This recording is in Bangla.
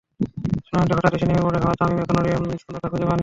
টুর্নামেন্টে হঠাৎ এসে নেমে পড়তে হওয়া তামিম এখনো ছন্দটা খুঁজে পাননি।